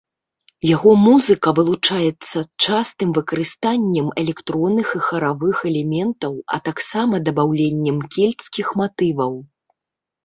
Яго музыка вылучаецца частым выкарыстаннем электронных і харавых элементаў, а таксама дабаўленнем кельцкіх матываў.